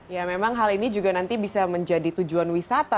ya memang hal ini juga nanti bisa menjadi tujuan wisata